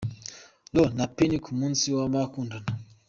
Roo na Penny ku munsi w’abakundana.